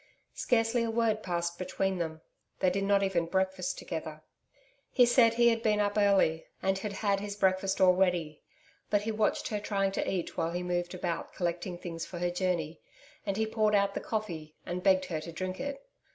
Scarcely a word passed between them; they did not even breakfast together. He said he had been up early, and had had his breakfast already, but he watched her trying to eat while he moved about collecting things for her journey, and he poured out the coffee, and begged her to drink it.